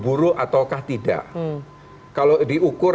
saya tidak tahu apakah waktu tujuh tahun untuk memulai rkuhp